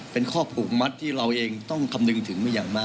เป็นข้อผูกมัดที่เราเองต้องคำนึงถึงมาอย่างมาก